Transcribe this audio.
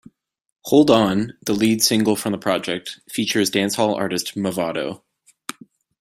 "Hold On", the lead single from the project, features dancehall artist Mavado.